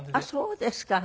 あっそうですか。